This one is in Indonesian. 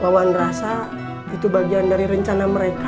wawan rasa itu bagian dari rencana mereka